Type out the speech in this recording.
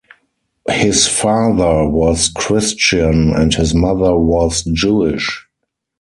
His father was Christian and his mother was Jewish.